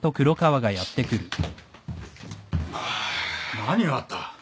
何があった？